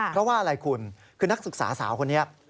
เพราะว่าอะไรคุณคือนักศึกษาสาวคนนี้